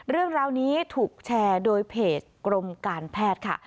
เรื่องราวนี้ถูกแชร์โดยเพจกรมการแพทย์ค่ะ